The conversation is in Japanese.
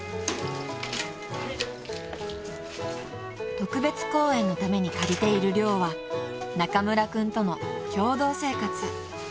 ［特別講演のために借りている寮は中村君との共同生活］